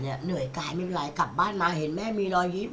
เหนื่อยกายไม่เป็นไรกลับบ้านมาเห็นแม่มีรอยยิ้ม